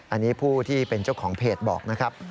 อันนี้ผู้ที่เป็นเจ้าของเพจบอกนะครับ